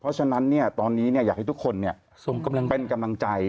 เพราะฉะนั้นตอนนี้อยากให้ทุกคนเป็นกำลังใจ